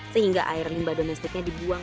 sehingga air limba domestiknya dibuang